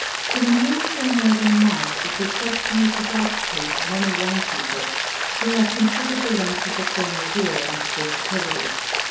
Can a Mule hear more than a Mouse is a question which has agitated many young people who have considered the length of the former's ear and its versatility.